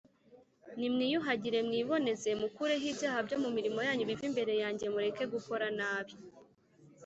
‘nimwiyuhagire mwiboneze, mukureho ibyaha byo mu mirimo yanyu bive imbere yanjye, mureke gukora nabi